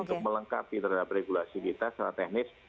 untuk melengkapi terhadap regulasi kita secara teknis